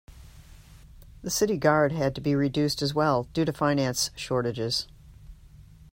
The city guard had to be reduced as well due to finance shortages.